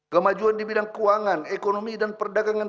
kemajuan di bidang keuangan ekonomi dan perdagangan